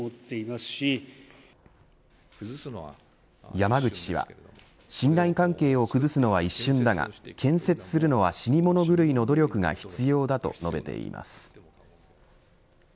山口氏は信頼関係を崩すのは一瞬だが建設するのは死に物狂いの努力が必要だと述べています。